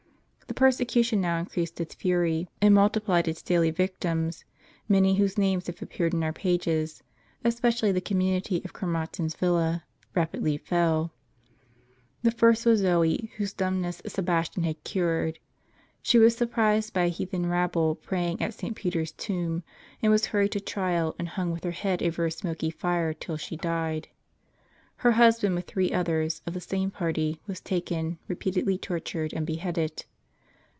The persecution now increased its fury, and multiplied its daily victims. Many whose names have appeared in our pages, especially the community of Chromatins' s villa. rapidly fell. The first was Zoe, whose dumbness Sebas %lj> tian had cured. She was surprised by a heathen rabble praying at St. Peter's tomb, and was hurried to trial, and hung with her head over a smoky fire, till she died. Her husband, with three others of the same party, was taken, repeatedly tortured, and beheaded.